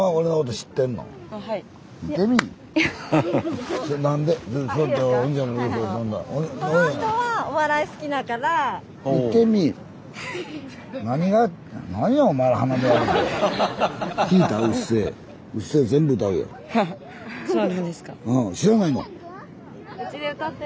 知らないの？